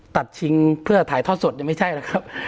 ชิงเพื่อถ่ายทอดสดยังไม่ใช่นะครับ